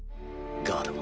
ガード。